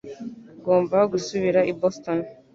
Ngomba gusubira i Boston